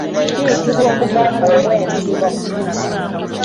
Kiyitibwa obugagga obw'ensibo.